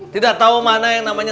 tidak tahu mana yang namanya